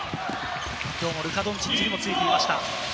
きょうもルカ・ドンチッチについていました。